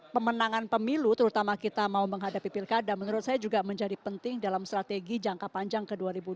pemenangan pemilu terutama kita mau menghadapi pilkada menurut saya juga menjadi penting dalam strategi jangka panjang ke dua ribu dua puluh